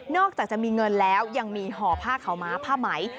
จากจะมีเงินแล้วยังมีห่อผ้าขาวม้าผ้าไหม